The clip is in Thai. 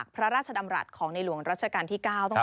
โปรดติดตามตอนต่อไป